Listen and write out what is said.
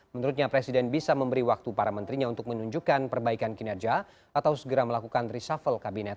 menurutnya presiden bisa memberi waktu para menterinya untuk menunjukkan perbaikan kinerja atau segera melakukan reshuffle kabinet